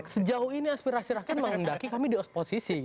sejauh ini aspirasi rakyat menghendaki kami di osposisi